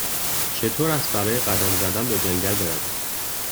چطور است برای قدم زدن به جنگل برویم؟